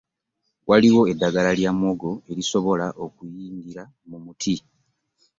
Waliwo eddagala lya muwogo erisobola okuyingira mu miti.